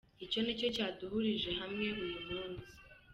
Icyo ni cyo cyaduhurije hamwe uyu munsi"